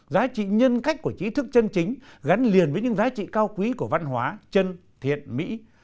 giá trị nhân cách của trí thức chân chính gắn liền với những giá trị cao quý của văn hóa chân thiện mỹ